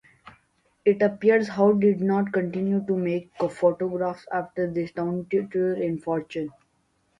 It appears How did not continue to make photographs after this downturn in fortune.